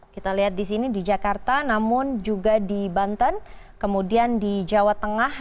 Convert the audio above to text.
kita lihat di sini di jakarta namun juga di banten kemudian di jawa tengah